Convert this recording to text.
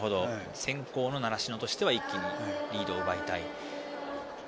先攻の習志野としては一気にリードを奪いたい。